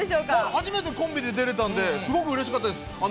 初めてコンビで出てたんで、すごい嬉しかったです。